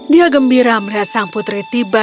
dia gembira melihat sang putri tiba